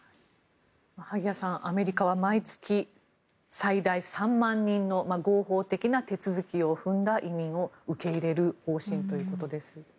萩谷さん、アメリカは毎月最大３万人の合法的な手続きを踏んだ移民を受け入れる方針ということです。